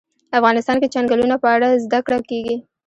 افغانستان کې د چنګلونه په اړه زده کړه کېږي.